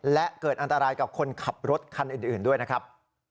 และเกิดอันตรายกับคนขับรถคันอื่นด้วยนะครับ